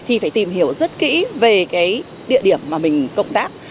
thì phải tìm hiểu rất kỹ về cái địa điểm mà mình công tác